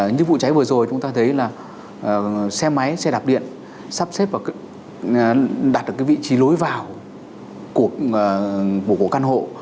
như vụ cháy vừa rồi chúng ta thấy là xe máy xe đạp điện sắp xếp và đạt được cái vị trí lối vào cổ căn hộ